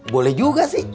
boleh juga sih